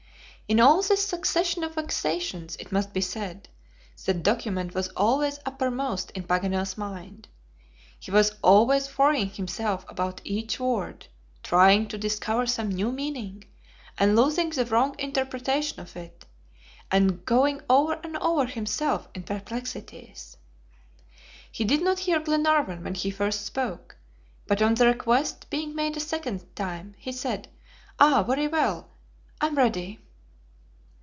In all this succession of vexations, it must be said the document was always uppermost in Paganel's mind. He was always worrying himself about each word, trying to discover some new meaning, and losing the wrong interpretation of it, and going over and over himself in perplexities. He did not hear Glenarvan when he first spoke, but on the request being made a second time, he said: "Ah, very well. I'm ready."